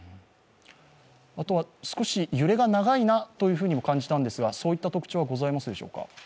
少し揺れが長いなとも感じたんですが、そういった特徴はございますでしょうか？